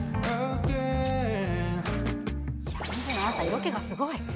色気がすごい。